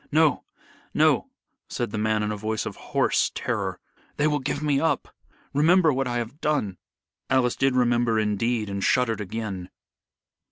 "No! no!" said the man in a voice of hoarse terror. "They will give me up. Remember what I have done." Alice did remember indeed, and shuddered again.